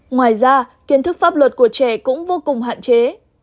ngoài ra kiến thức pháp luật của trẻ cũng vô cùng hạn chế